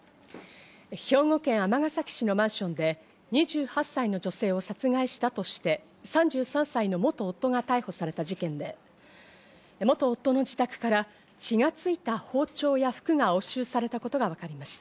兵庫県尼崎市のマンションで２８歳の女性を殺害したとして、３３歳の元夫が逮捕された事件で、元夫の自宅から血がついた包丁や服が押収されたことがわかりました。